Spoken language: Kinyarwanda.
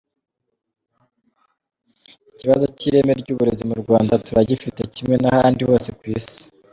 Ikibazo cy’ireme ry’uburezi mu Rwanda turagifite kimwe n’ahandi hose ku isi.